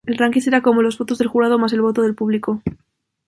El ranking será con los votos del jurado más el voto del público.